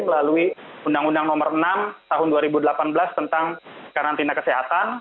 melalui undang undang nomor enam tahun dua ribu delapan belas tentang karantina kesehatan